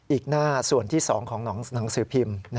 อีกหน้าส่วนที่๒ของหนังสือพิมพ์